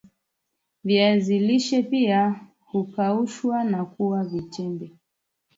viazi lishe pia hukaushwa na kuwa vichembe